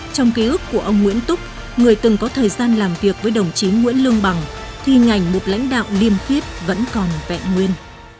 trong ký ức của ông nguyễn túc người từng có thời gian làm việc với đồng chí nguyễn lương bằng thi ngành một lãnh đạo liêm khiết vẫn còn vẹn nguyên